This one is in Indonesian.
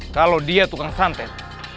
kalau dia tukang santet